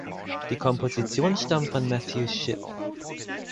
Die Kompositionen stammen von Matthew Shipp.